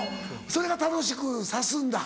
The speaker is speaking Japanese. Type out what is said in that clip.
それが楽しくさすんだ。